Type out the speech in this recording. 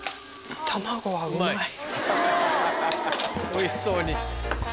おいしそうに。